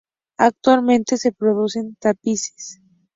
Actualmente se producen tapices.